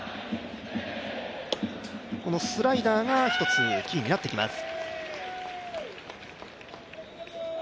スライダーが一つ、キーになってきます。